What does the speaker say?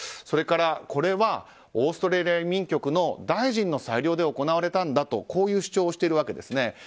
それから、これはオーストラリア移民局の大臣の裁量で行われたと主張をしているんですね。